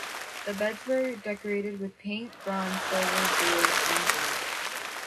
The beds were decorated with paint, bronze, silver, jewels and gold.